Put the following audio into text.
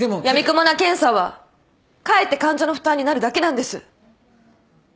やみくもな検査はかえって患者の負担になるだけなんです。